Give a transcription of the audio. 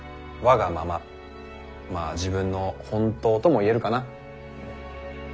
まあ自分の本当とも言えるかな。